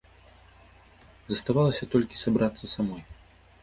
Заставалася толькі сабрацца самой.